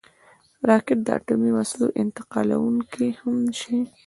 راکټ د اټومي وسلو انتقالونکی هم شي